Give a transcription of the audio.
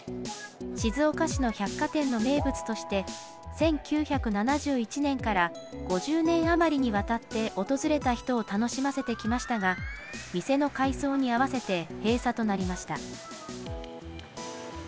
静岡市の百貨店の名物として、１９７１年から５０年余りにわたって訪れた人を楽しませてきましたが、店の改装に合わせて閉鎖となりました。